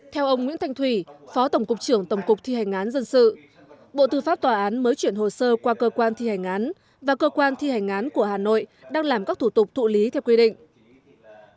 theo ông nguyễn thanh thủy phó tổng cục trưởng tổng cục thi hành án dân sự bộ tư pháp tòa án mới chuyển hồ sơ qua cơ quan thi hành án và cơ quan thi hành án của hà nội đang làm các thủ tục thụ lý theo quy định